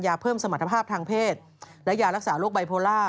เพิ่มสมรรถภาพทางเพศและยารักษาโรคไบโพล่า